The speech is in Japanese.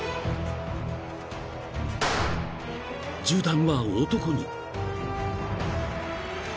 ［銃弾は男に］